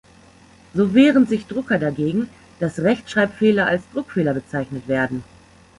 So wehren sich Drucker dagegen, dass Rechtschreibfehler als „Druckfehler“ bezeichnet werden.